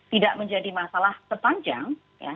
tidak menjadi masalah sepanjang